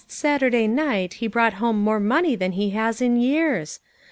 Last Saturday night he brought home more money than he has in years.